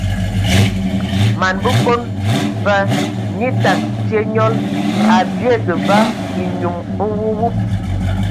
Man Bəkon va nye təgə tye nyɔl, a biege va enyum nwuwub.